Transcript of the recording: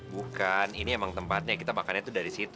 bukan ini emang tempatnya kita makannya itu dari situ